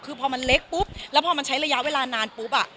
คือพอมันเล็กปุ๊บแล้วพอมันใช้ระยะเวลานานปุ๊บอ่ะ